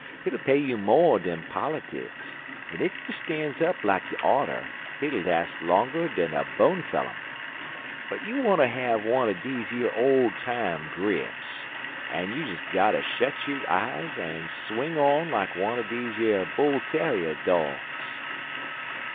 Hit'll pay you mo' dan politics, an' ef you stan's up like you oughter, hit'll las' longer dan a bone fellum. But you wanter have one er deze yer ole time grips, an' you des gotter shet yo' eyes an' swing on like wunner deze yer bull tarrier dogs."